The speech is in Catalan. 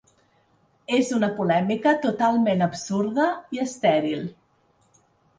És una polèmica totalment absurda i estèril.